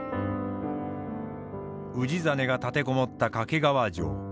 氏真が立て籠もった掛川城。